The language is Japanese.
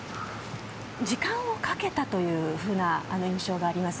時間をかけたというふうな印象があります。